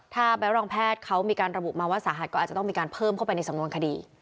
ถ้าใบรองแพทย์เขามีการระบุมาว่าสาหัสก็อาจจะต้องมีการเพิ่มเข้าไปในสำนวนคดี